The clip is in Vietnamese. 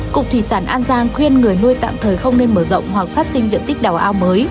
cục thủy sản an giang khuyên người nuôi tạm thời không nên mở rộng hoặc phát sinh diện tích đào ao mới